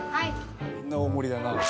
みんな大盛りだな。